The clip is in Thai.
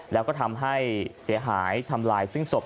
แล้วก็ทำให้เสียหายทำลายซึ่งศพ